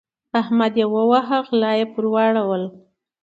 احمد يې وواهه؛ غلا يې پر واړوله.